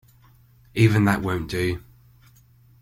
Even that won't do.